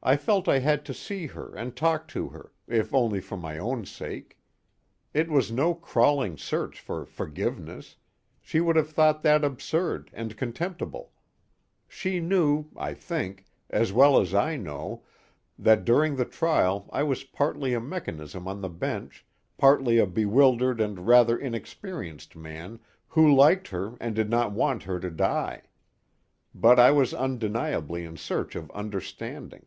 I felt I had to see her and talk to her, if only for my own sake. It was no crawling search for "forgiveness" she would have thought that absurd and contemptible; she knew (I think) as well as I know, that during the trial I was partly a mechanism on the bench, partly a bewildered and rather inexperienced man who liked her and did not want her to die. But I was undeniably in search of understanding.